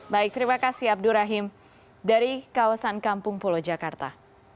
baik terima kasih abdurrahim dari kawasan kampung polo jakarta